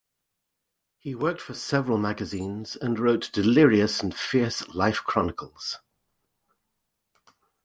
He worked for several magazines and wrote delirious and fierce life-chronicles.